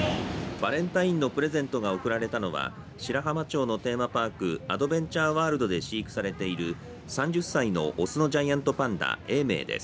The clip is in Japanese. バレンタインのプレゼントが贈られたのは白浜町のテーマパークアドベンチャーワールドで飼育されている３０歳の雄のジャイアントパンダ、永明です。